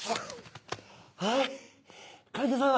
あっ。